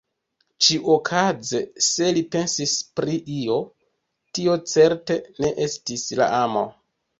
Ĉiuokaze, se li pensis pri io, tio certe ne estis la amo.